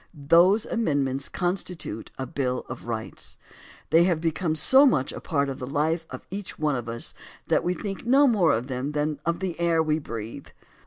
Those amendments constitute a Bill of Rights. They have become so much a part of the life of each one of us that we think no more of them than of the air we breathe.